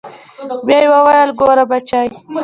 بيا يې وويل ګوره بچى.